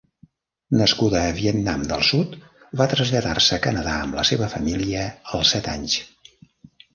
Nascuda a Vietnam del Sud, va traslladar-se a Canadà amb la seva família als set anys.